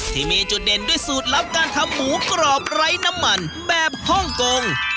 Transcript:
ที่มีจุดเด่นด้วยสูตรลับการทำหมูกรอบไร้น้ำมันแบบฮ่องกง